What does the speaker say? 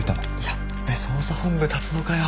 ヤッベ捜査本部立つのかよ。